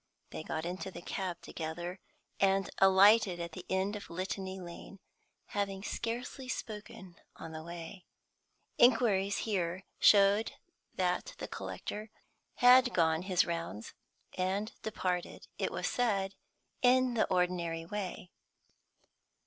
They got into the cab together, and alighted at the end of Litany Lane, having scarcely spoken on the way. Inquiries here showed that the collector had gone his rounds, and departed, it was said, in the ordinary way.